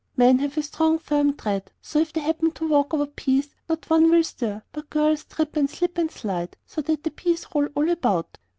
Men have a strong, firm tread, so that if they happen to walk over peas not one will stir, but girls trip, and slip, and slide, so that the peas roll all about.